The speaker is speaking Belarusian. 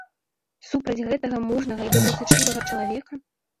Супраць гэтага мужнага і добразычлівага чалавека?